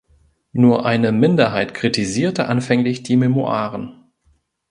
Nur eine Minderheit kritisierte anfänglich die Memoiren.